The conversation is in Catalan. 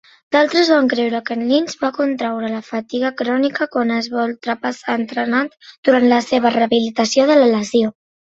D'altres van creure que Lynch va contraure la fatiga crònica quan es va ultrapassar entrenant durant la seva rehabilitació de la lesió.